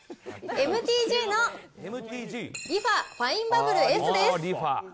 ＭＴＧのリファファインバブルＳです。